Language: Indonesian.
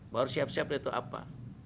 baru siap siap deh tuh apa